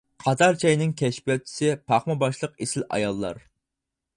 قاتار چاينىڭ كەشپىياتچىسى، پاخما باشلىق ئېسىل ئاياللار.